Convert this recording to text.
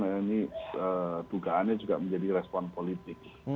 ini dugaannya juga menjadi respon politik